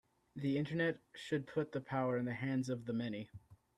The Internet should put the power in the hands of the many.